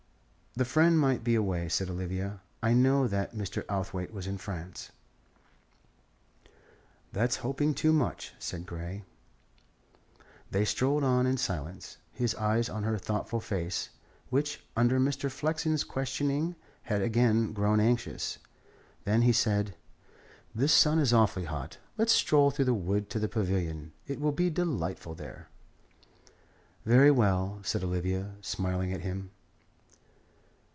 "The friend might be away," said Olivia. "I know that Mr. Outhwaite was in France." "That's hoping too much," said Grey. They strolled on in silence, his eyes on her thoughtful face, which under Mr. Flexen's questioning had again grown anxious. Then he said: "This sun is awfully hot. Let's stroll through the wood to the pavilion. It will be delightful there." "Very well," said Olivia, smiling at him.